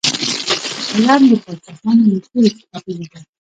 قلم د باچاهانو له تورې څخه تېره دی.